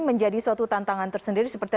menjadi suatu tantangan tersendiri seperti